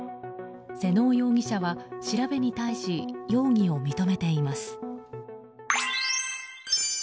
妹尾容疑者は調べに対し容疑を認めています。